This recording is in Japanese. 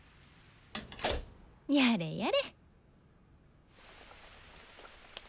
やれやれ。